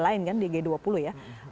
lain kan di g dua puluh ya